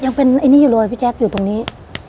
ยังเป็นไอ้นี่อยู่เลยพี่แจ๊คอยู่ตรงนี้